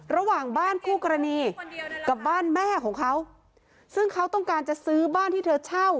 ระหว่างบ้านคู่กรณีกับบ้านแม่ของเขาซึ่งเขาต้องการจะซื้อบ้านที่เธอเช่า